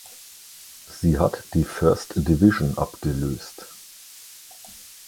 Sie hat die First Division abgelöst.